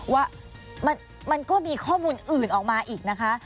ว่ามันก็มีข้อมูลอื่นออกมาอีกนะคะ